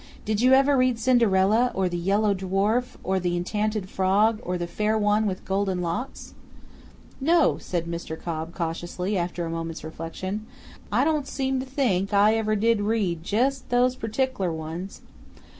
Did you ever read Cinderella, or The Yellow Dwarf, or The Enchanted Frog, or The Fair One with Golden Locks?" "No," said Mr. Cobb cautiously, after a moment's reflection. "I don't seem to think I ever did read jest those partic'lar ones.